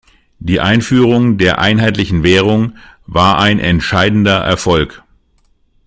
Die Einführung der einheitlichen Währung war ein entscheidender Erfolg.